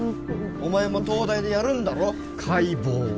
お前も東大でやるんだろ解剖